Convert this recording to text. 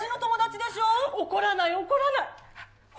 怒らない、怒らない。